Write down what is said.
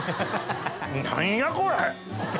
何やこれ！